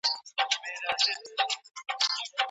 تدریسي نصاب په خپلسري ډول نه ویشل کیږي.